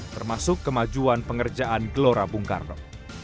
termasuk kemajuan pengerjaan gelora bung karno